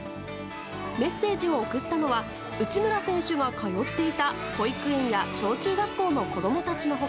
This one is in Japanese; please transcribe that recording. メッセージを送ったのは内村選手が通っていた保育園や小中学校の子供たちの他